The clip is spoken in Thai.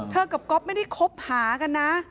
กับก๊อฟไม่ได้คบหากันนะ